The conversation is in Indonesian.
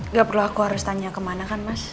gak perlu aku harus tanya kemana kan mas